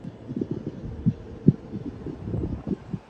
疏羽碎米蕨为中国蕨科碎米蕨属下的一个种。